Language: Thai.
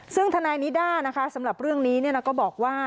ซึ่งทนายนิด้านะคะสำหรับเรื่องนี้ก็บอกว่า